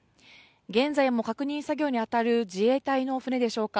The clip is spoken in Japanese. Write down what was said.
現在も確認作業に当たる自衛隊の船でしょうか。